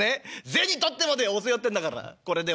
銭取ってまで教えようってんだからこれね